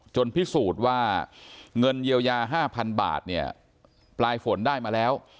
พิสูจน์ว่าเงินเยียวยา๕๐๐๐บาทเนี่ยปลายฝนได้มาแล้ว